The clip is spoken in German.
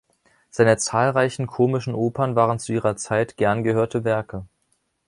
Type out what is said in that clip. Seine zahlreichen komischen Opern waren zu ihrer Zeit gern gehörte Werke.